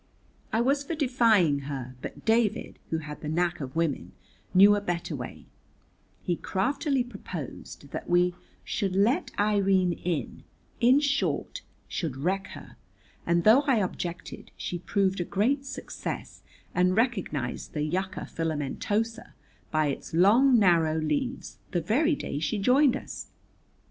I was for defying her, but David, who had the knack of women, knew a better way; he craftily proposed that we "should let Irene in," in short, should wreck her, and though I objected, she proved a great success and recognised the yucca filamentosa by its long narrow leaves the very day she joined us.